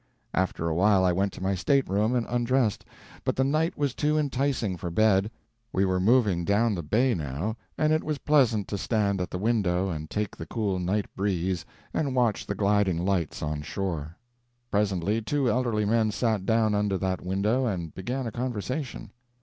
After a while I went to my stateroom and undressed, but the night was too enticing for bed. We were moving down the bay now, and it was pleasant to stand at the window and take the cool night breeze and watch the gliding lights on shore. Presently, two elderly men sat down under that window and began a conversation.